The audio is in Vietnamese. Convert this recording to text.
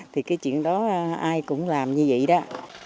thì cái chuyện đó ai cũng làm như vậy đó